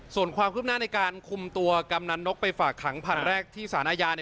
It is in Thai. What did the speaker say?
ส่วนความคืบหน้าในการคุมตัวกำนันนกไปฝากขังผัดแรกที่สารอาญา